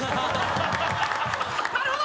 なるほど！